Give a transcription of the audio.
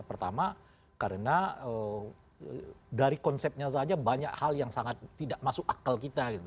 pertama karena dari konsepnya saja banyak hal yang sangat tidak masuk akal kita